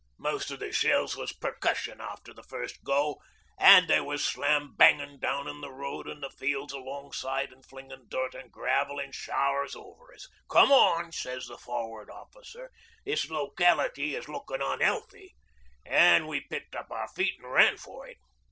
Most o' the shells was percussion, after the first go, an' they was slam bangin' down in the road an' the fields alongside an' flinging dirt and gravel in showers over us. "Come on," sez the Forward Officer; "this locality is lookin' unhealthy," an' we picked up our feet an' ran for it.